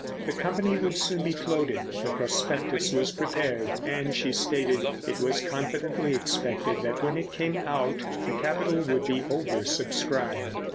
The company would soon be floated, the prospectus was prepared, and, she stated, it was confidently expected that when it came out the capital would be over subscribed.